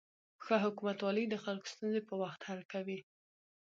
ښه حکومتولي د خلکو ستونزې په وخت حل کوي.